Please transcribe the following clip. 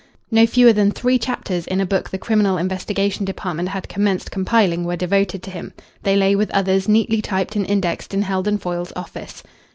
No fewer than three chapters in a book the Criminal Investigation Department had commenced compiling were devoted to him. They lay with others neatly typed and indexed in Heldon Foyle's office.